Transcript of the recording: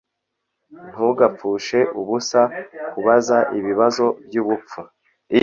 Ntugapfushe ubusa kubaza ibibazo byubupfu